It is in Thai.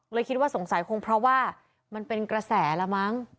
คิดว่าสงสัยคงเพราะว่ามันเป็นกระแสละมั้ง